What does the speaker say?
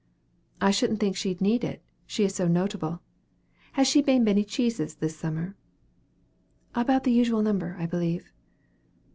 "I shouldn't think she'd need it; she is so notable. Has she made many cheeses this summer?" "About the usual number, I believe."